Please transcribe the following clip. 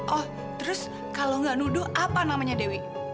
oh terus kalau gak nuduh apa namanya dewi